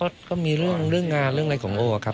เอ่อแรกแรกก็ก็มีเรื่องเรื่องงานเรื่องอะไรของโออะครับ